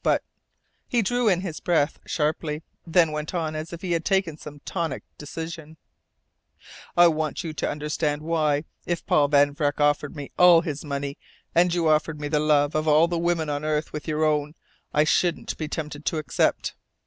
But " he drew in his breath sharply, then went on as if he had taken some tonic decision "I want you to understand why, if Paul Van Vreck offered me all his money, and you offered me the love of all the women on earth with your own, I shouldn't be tempted to accept.